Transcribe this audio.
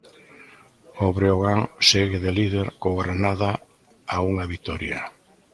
O Breogán segue de líder co Granada a unha vitoria.